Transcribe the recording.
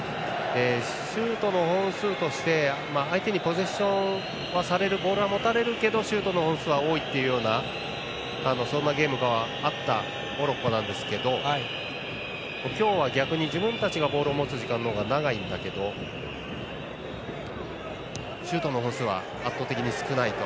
シュートの本数として相手にポゼッションはされるボールは持たれるけどシュートの本数は多いというそんなゲームではあったモロッコなんですけど今日は逆に自分たちがボールを持つ時間の方が長いんだけどシュートの本数は圧倒的に少ないと。